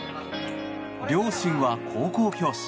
両親は高校教師。